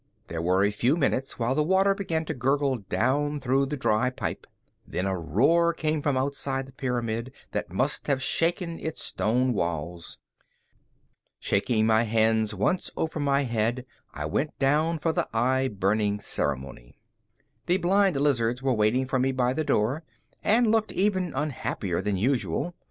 There were a few minutes while the water began to gurgle down through the dry pipe. Then a roar came from outside the pyramid that must have shaken its stone walls. Shaking my hands once over my head, I went down for the eye burning ceremony. The blind lizards were waiting for me by the door and looked even unhappier than usual.